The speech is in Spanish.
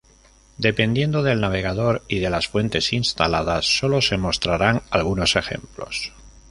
Dependiendo del navegador y de las fuentes instaladas solo se mostrarán algunos ejemplos.